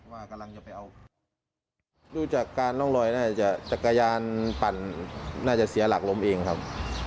ว่ากำลังจะไปเอาดูจากการร่องรอยน่าจะจักรยานปั่นน่าจะเสียหลักล้มเองครับ